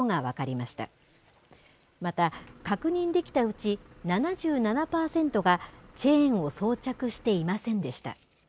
また確認できたうち、７７％がチェーンを装着していませんでした。